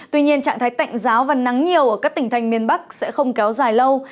tuy nhiên trạng thái tạnh giáo và nắng nhiều ở các tỉnh thành miền bắc sẽ không kéo dài lâu